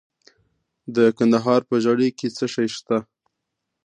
د کندهار په ژیړۍ کې څه شی شته؟